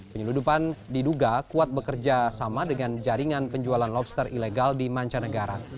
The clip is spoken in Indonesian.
penyeludupan diduga kuat bekerja sama dengan jaringan penjualan lobster ilegal di mancanegara